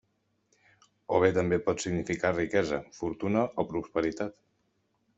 O bé també pot significar riquesa, fortuna o prosperitat.